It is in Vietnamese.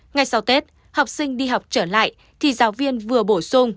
ngay sau tết học sinh đi học trở lại thì giáo viên vừa bổ sung